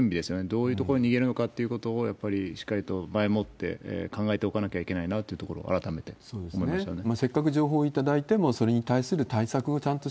どういう所に逃げるのかっていうところをやっぱりしっかりと前もって考えておかなきゃいけないなというところを、改めて思いましたね。